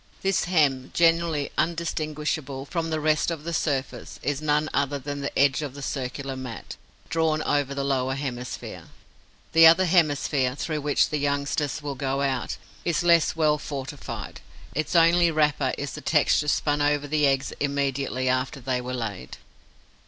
This hem, generally undistinguishable from the rest of the surface, is none other than the edge of the circular mat, drawn over the lower hemisphere. The other hemisphere, through which the youngsters will go out, is less well fortified: its only wrapper is the texture spun over the eggs immediately after they were laid.